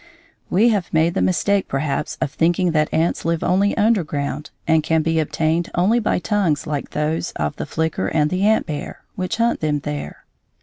We have made the mistake perhaps of thinking that ants live only underground and can be obtained only by tongues like those of the flicker and the ant bear, which hunt them there.